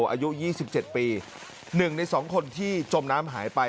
อายุยี่สิบเจ็ดปีหนึ่งในสองคนที่จมน้ำหายไป